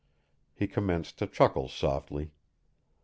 He commenced to chuckle softly.